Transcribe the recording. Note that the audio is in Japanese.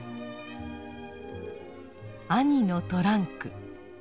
「兄のトランク」。